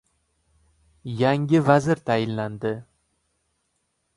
Yangi vazir tayinlandi